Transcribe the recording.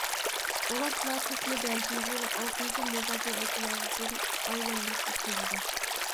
ئۇلاپلا توپنى بەشىنچى ۋە ئالتىنچى مۇداپىئەچىلەردىن ئايلاندۇرۇپ ئۆتكۈزىدۇ.